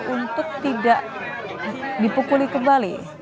untuk tidak dipukuli kembali